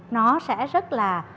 nó sẽ rất là